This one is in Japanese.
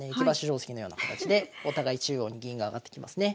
定跡のような形でお互い中央に銀が上がってきますね。